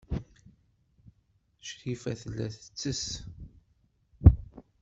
Crifa tella tettess.